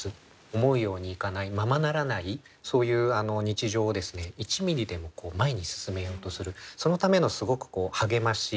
思うようにいかないままならないそういう日常を１ミリでも前に進めようとするそのためのすごく励まし。